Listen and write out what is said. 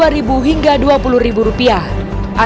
antara warga yang menukarkan uang baru di jalan jalan indah sidoarjo